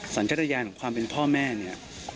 สรรจทะยานของความเป็นพ่อแม่เนี่ย